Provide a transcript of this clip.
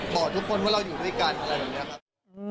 บอกทุกคนว่าเราอยู่ด้วยกันอะไรแบบนี้ครับ